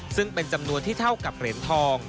ซึ่งเป็นจำนวนที่เท่ากับเหรียญทอง